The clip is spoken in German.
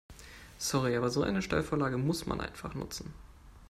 Sorry, aber so eine Steilvorlage muss man einfach nutzen.